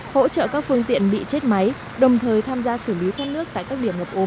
hỗ trợ các phương tiện bị chết máy đồng thời tham gia xử lý thoát nước tại các điểm ngập ố